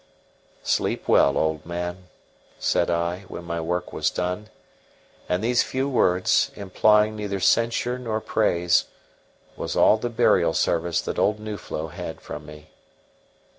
"Sleep well, old man," said I, when my work was done; and these few words, implying neither censure nor praise, was all the burial service that old Nuflo had from me.